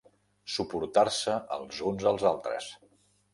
Suportar-se els uns als altres.